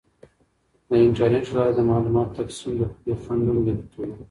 د انټرنیټ له لارې د معلوماتو تقسیم د پوهې خنډونه لرې کوي.